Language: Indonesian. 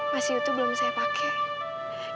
masih itu belum bisa saya pakai